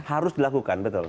harus dilakukan betul